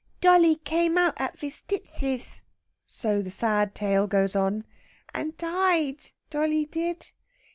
"Dolly came out at ve stisses" so the sad tale goes on "and tyed, dolly did.